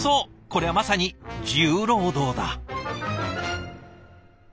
こりゃまさに重労働だ。